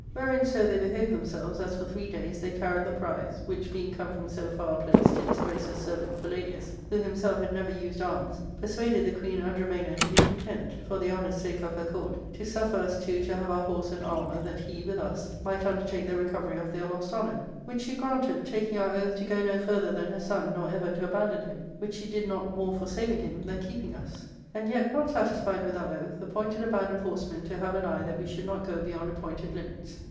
Wherein so they behaved themselves as for three days they carried the prize, which being come from so far a place to disgrace her servant, Palladius, who himself had never used arms, persuaded the queen Andromana to be content, for the honour's sake of her court, to suffer us two to have our horse and armour, that he, with us, might undertake the recovery of their lost honour ; which she granted, taking our oath to go no further than her son, nor ever to abandon him, which she did not more for saving him than keeping us. Anci yet, not satisfied with our oath, appointed a band of horsemen to have an eye that we should not go beyond appointed limits.